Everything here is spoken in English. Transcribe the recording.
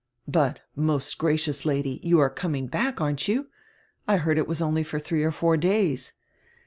"But, most gracious Lady, you are coming back, aren't you? I heard it was only for three or four days."